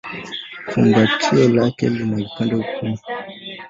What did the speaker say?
Fumbatio lake lina vipande kumi.